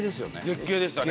絶景でしたね。